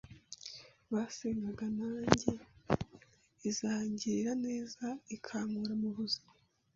basengaga nanjye izangirira neza ikankura mu buzima